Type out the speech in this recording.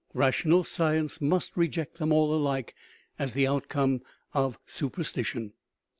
Rational sci ence must reject them all alike as the outcome of super stition.